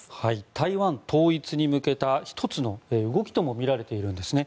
台湾統一に向けた１つの動きともみられているんですね。